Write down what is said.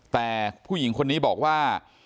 แต่ผู้หญิงคนนี้บอกว่า